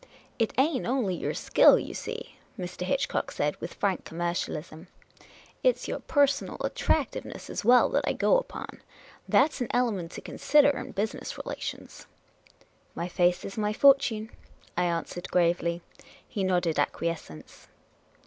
" It ain't only your skill, you see," Mr. Hitchcock said, with frank commercialism. " It 's your personal attractiveness as well that I go upon. That 's an element to consider in business relations." " My face is my fortune," I answered, gravely. He nodded acquiescence.